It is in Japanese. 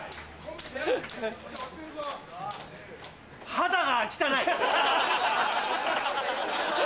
肌が汚い！